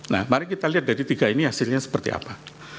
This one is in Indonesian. nah mari kita lihat dari tiga ini hasilnya seperti apa